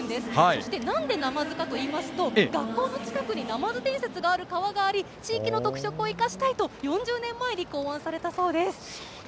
そしてなんで、なまずかというと学校の近くになまず伝説のある川があり地域の特色を生かしたいと４０年前に考案されたそうです。